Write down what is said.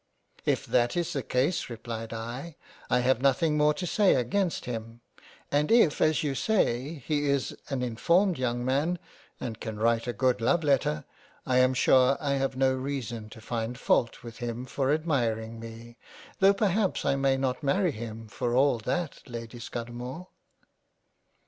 " If that is the case replied I, I have nothing more to say 1 20 £A COLLECTION OF LETTERS J against him, and if as you say he is an informed young Man and can write a good Love letter, I am sure I have no reason to find fault with him for admiring me, tho' perhaps I may not marry him for all that Lady Scudamore."